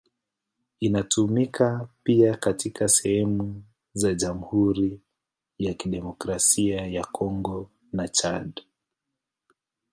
Inatumika pia katika sehemu za Jamhuri ya Kidemokrasia ya Kongo na Chad.